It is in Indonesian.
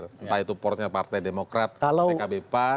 entah itu porosnya partai demokrat pkb pan